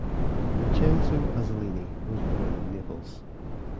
Vincenzo Azzolini was born in Naples.